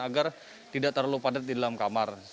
agar tidak terlalu padat di dalam kamar